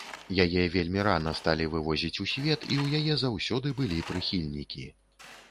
Яе вельмі рана сталі вывозіць у свет, і ў яе заўсёды былі прыхільнікі.